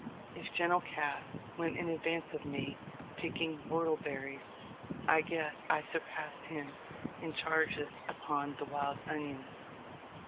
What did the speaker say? If General Cass went in advance of rne picking whortleberries, I guess I surpassed .him in charges upon the wild onions.